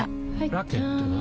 ラケットは？